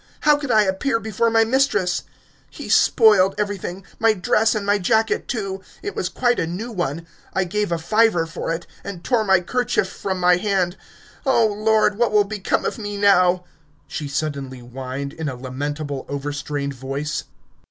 How could I appear before my mistress? He spoiled everything ... my dress and my jacket too it was quite a new one; I gave a fiver for it ... and tore my kerchief from my head... Oh, Lord! What will become of me now?" she suddenly whined in a lamentable overstrained voice.